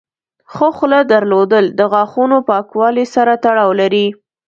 ښه خوله درلودل د غاښونو پاکوالي سره تړاو لري.